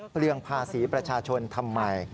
เปลืองภาษีประชาชนทำไม